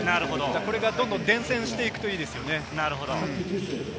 これが伝染していくといいですよね。